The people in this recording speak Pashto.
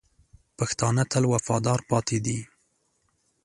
پښتانه تل وفادار پاتې دي.